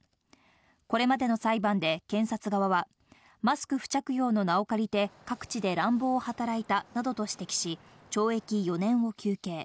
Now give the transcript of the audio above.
これまでの裁判で検察側はマスク不着用の名を借りて各地で乱暴を働いたなどと指摘し、懲役４年を求刑。